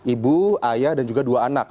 ibu ayah dan juga dua anak